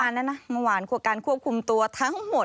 เมื่อวานนะนะเมื่อวานของการควบคุมตัวทั้งหมด